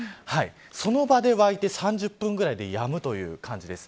その場でわいて、３０分ぐらいでやむという感じです。